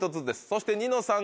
そしてニノさん